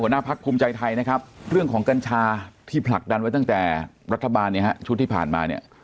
หัวหน้าภักร์ภูมิใจไทยนะครับเรื่องของกัญชาที่ผลักดันไว้ตั้งแต่รัฐบาลชุดที่ผ่านมา